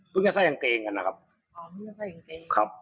พึงท่าใส่กางเกงกันนะครับ